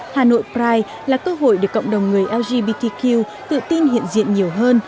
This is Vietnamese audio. hà nội pride là cơ hội để cộng đồng người lgbtq tự tin hiện diện nhiều hơn